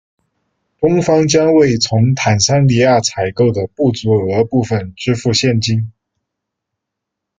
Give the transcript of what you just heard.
中方将为从坦桑尼亚采购的不足额部分支付现金。